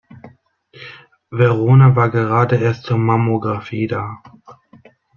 Verona war gerade erst zur Mammographie da.